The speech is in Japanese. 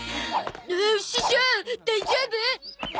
師匠大丈夫？